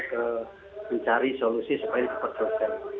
untuk mencari solusi supaya ini super selesai